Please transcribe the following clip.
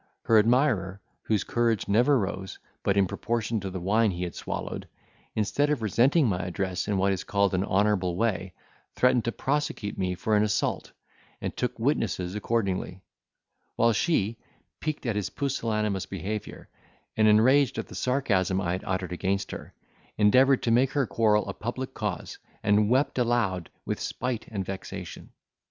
Her admirer, whose courage never rose, but in proportion to the wine he had swallowed, instead of resenting my address in what is called an honourable way, threatened to prosecute me for an assault, and took witnesses accordingly: while she, piqued at his pusillanimous behaviour, and enraged at the sarcasm I had uttered against her, endeavoured to make her quarrel a public cause, and wept aloud with spite and vexation.